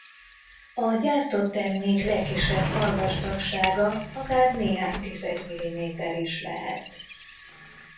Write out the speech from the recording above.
A gyártott termék legkisebb falvastagsága akár néhány tized milliméter is lehet.